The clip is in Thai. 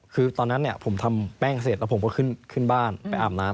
คือตอนนั้นผมทำแป้งเสร็จแล้วผมก็ขึ้นบ้านไปอาบน้ำ